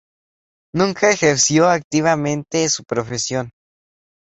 Nunca ejerció activamente su profesión.